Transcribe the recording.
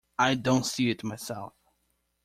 I don't see it myself.